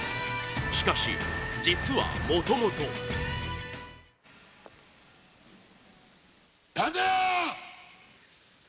しかし、実はもともと栃野：誰だー！